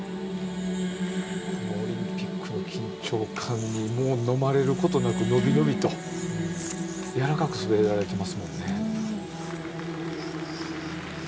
オリンピックの緊張感にのまれることなく、のびのびと柔らかく滑られてますもんね。